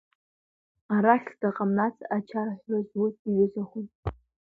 Арахь зда ҟамлац ачарҳәра зуз иҩызахон.